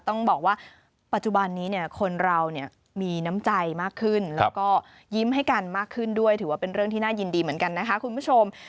ต้องบอกว่าปัจจุบันนี้เนี่ยคนเราเนี่ยมีน้ำใจมากขึ้นแล้วก็ยิ้มให้กันมากขึ้นด้วยถือว่าเป็นเรื่องที่น่ายินดีเหมือนกันนะคะคุณผู้ชม